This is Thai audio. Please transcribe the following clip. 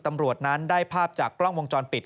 ตำรวจนั้นได้ภาพจากกล้องวงจรปิด